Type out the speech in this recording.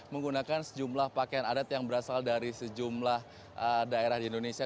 menggunakan sejumlah pakaian adat yang berasal dari sejumlah daerah di indonesia